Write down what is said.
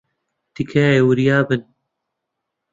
تکایە، وریا بن.